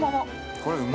これうま！